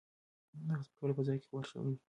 غږ په ټوله فضا کې خپور شوی دی.